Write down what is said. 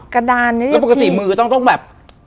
กระดานนี้เรียกพี่แล้วปกติมือต้องต้องแบบ